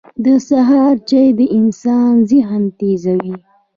• د سهار چای د انسان ذهن تیزوي.